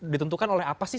ditentukan oleh apa sih